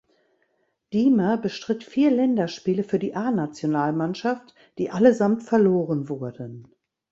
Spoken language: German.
Diemer bestritt vier Länderspiele für die A-Nationalmannschaft, die allesamt verloren wurden.